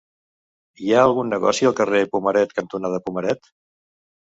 Hi ha algun negoci al carrer Pomaret cantonada Pomaret?